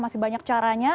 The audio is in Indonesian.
masih banyak caranya